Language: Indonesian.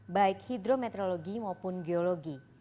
baik hidrometeorologi maupun geologi